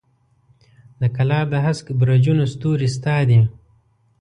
د کلا د هسک برجونو ستوري ستا دي